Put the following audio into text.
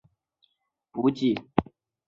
湖水主要依靠东部入湖的卡挖臧布补给。